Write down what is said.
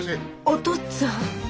お父っつぁん？